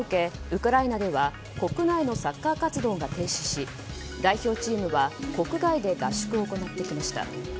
ウクライナでは国内のサッカー活動が停止し代表チームは国外で合宿を行ってきました。